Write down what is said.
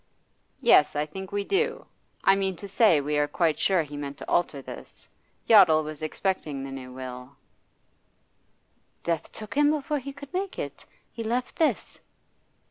'Yes, I think we do. I mean to say, we are quite sure he meant to alter this. Yottle was expecting the new will.' 'Death took him before he could make it. He left this.